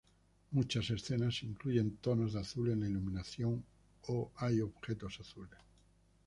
Muchas escenas incluyen tonos de azul en la iluminación o hay objetos azules.